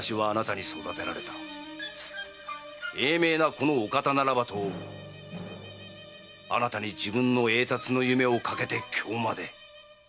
このお方ならばとあなたに自分の栄達の夢をかけて今日まで。